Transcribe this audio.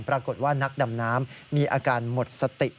ปรากฏว่านักดำน้ำมีอาการหมดสติ